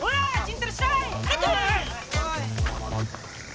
はい！